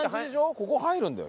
ここ入るんだよ。